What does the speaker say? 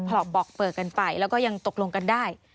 รอบปอกเปลือกกันไปแล้วก็ยังตกลงกันได้